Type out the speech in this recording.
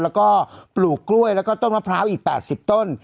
แล้วก็ปลูกกล้วยแล้วก็ต้นมะพร้าวอีก๘๐ต้น